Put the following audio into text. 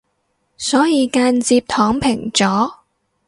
所以間接躺平咗